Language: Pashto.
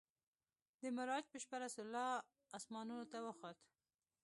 د معراج په شپه رسول الله اسمانونو ته وخوت.